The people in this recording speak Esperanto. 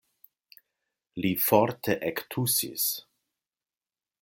Li forte ektusis.